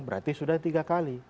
berarti sudah tiga kali